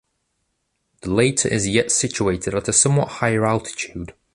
The later is yet situated at a somewhat higher altitude.